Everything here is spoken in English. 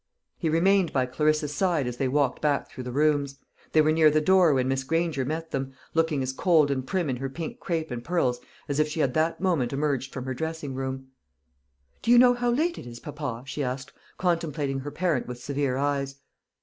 He remained by Clarissa's side as they walked back through the rooms. They were near the door when Miss Granger met them, looking as cold and prim in her pink crape and pearls as if she had that moment emerged from her dressing room. "Do you know how late it is, papa?" she asked, contemplating her parent with severe eyes.